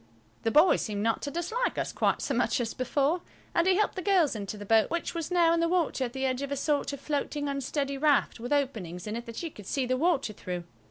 The boy seemed not to dislike us quite so much as before, and he helped the girls into the boat, which was now in the water at the edge of a sort of floating, unsteady raft, with openings in it that you could see the water through.